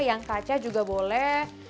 yang kaca juga boleh